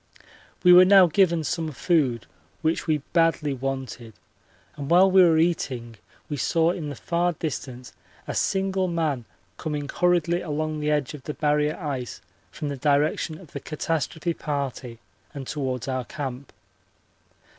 We were now given some food, which we badly wanted, and while we were eating we saw in the far distance a single man coming hurriedly along the edge of the Barrier ice from the direction of the catastrophe party and towards our camp.